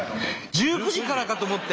１９時からかと思って？